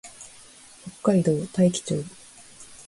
北海道大樹町